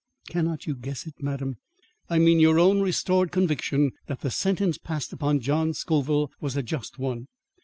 Cannot you guess it, madam? I mean your own restored conviction that the sentence passed upon John Scoville was a just one.